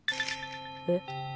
えっ？